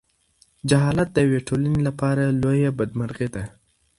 جهالت د یوې ټولنې لپاره لویه بدمرغي ده.